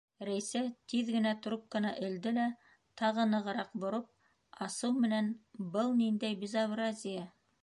Рәйсә тиҙ генә трубканы элде лә, тағы нығыраҡ бороп, асыу менән: - Был ниндәй безобразие!